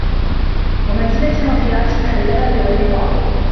وَمَنْزِلَةٍ رَفِيعَةٍ حَلَّهَا بِغَيْرِ فَضْلٍ